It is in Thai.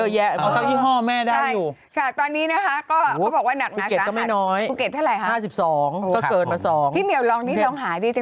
อยากรู้ว่าจริงที่ไหนเหลืออากาศดีบ้างไง